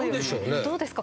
どうですか？